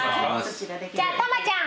じゃタマちゃん！